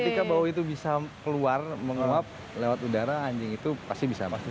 ketika bau itu bisa keluar menguap lewat udara anjing itu pasti bisa masuk